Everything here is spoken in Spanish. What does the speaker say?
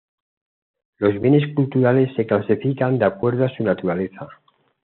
Los bienes culturales se clasifican de acuerdo a su naturaleza.